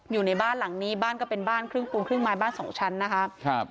อยู่ในบ้านหลังนี้บ้านก็เป็นบ้านครึ่งปูนครึ่งไม้บ้านสองชั้นนะคะครับ